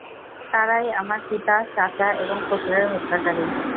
তারাই আমার পিতা, চাচা এবং পুত্রের হত্যাকারী।